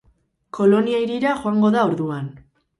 Kolonia hirira joango da orduan.